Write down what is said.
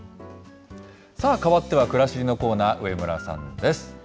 さあ、変わってはくらしりのコーナー、上村さんです。